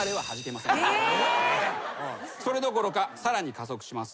それどころかさらに加速します。